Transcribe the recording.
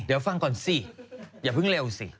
เดี๋ยวฟังก่อนสิอย่าเพิ่งเร็วสิ